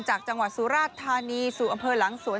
จากจังหวัดสุราชธานีสู่อำเภอหลังสวน